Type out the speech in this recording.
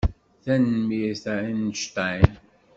Tanemmirt a Einstein.